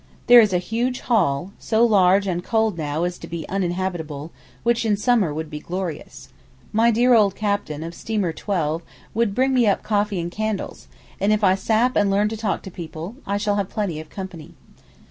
There is a huge hall, so large and cold now as to be uninhabitable, which in summer would be glorious. My dear old captain of steamer XII. would bring me up coffee and candles, and if I 'sap' and learn to talk to people, I shall have plenty of company.